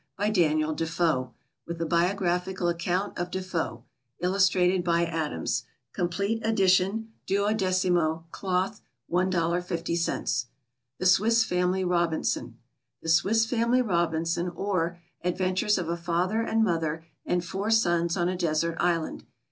By DANIEL DEFOE. With a Biographical Account of Defoe. Illustrated by Adams. Complete Edition. 12mo, Cloth, $1.50. The Swiss Family Robinson. The Swiss Family Robinson; or, Adventures of a Father and Mother and Four Sons on a Desert Island.